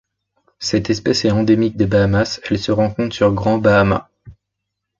Cette espèce est endémique des Bahamas, elle se rencontre sur Grand Bahama.